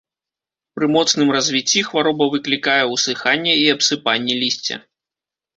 Пры моцным развіцці хвароба выклікае усыханне і абсыпанне лісця.